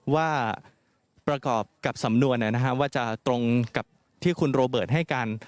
ว่าประกอบกับสำนวนว่าจะตรงกับที่คุณโรเบิร์ตให้กัน